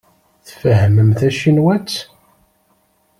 Tfehhmemt tacinwat?